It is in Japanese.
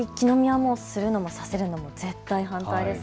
一気飲みはするのもさせるのも絶対反対です。